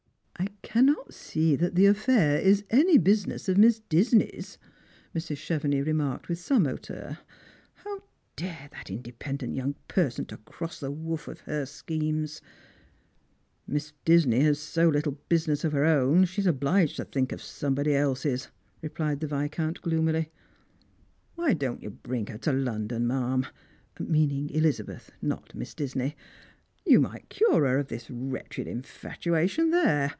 " I cannot see that the affair is any business of Miss Disney's," Mrs. Chevenix remarked with some hauteur. How dared that independent young person to cross the woof of her schemes !" Aliss Disney has so little business of her own, that she's obliged to think of somebody else's," replied the Viscount moodily. "Why don't you bring her to London, ma'am?" meaning Elizabeth, and not Miss Disney. "You might cure her of this wretched infatuation there.